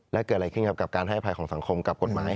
และเกิดอะไรขึ้นกับการให้อภัยของสังคมกับกฎหมาย